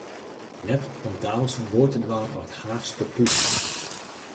Net om daliks in goai te dwaan nei it Haachske plús.